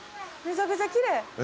めちゃくちゃきれい！